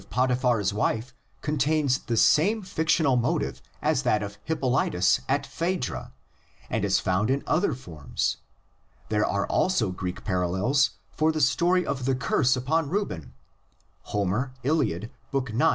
Potiphar's wife contains the same fictional motive as that of Hippolytus and Phaedra and is found in other forms; there are also Greek parallels for the story of the curse upon Reuben (Homer, Iliad, IX.